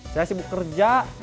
saya sibuk kerja